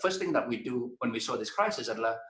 pertama yang kita lakukan ketika kita melihat krisis ini adalah